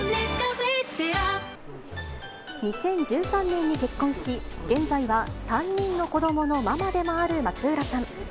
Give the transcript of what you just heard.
２０１３年に結婚し、現在は３人の子どものママでもある松浦さん。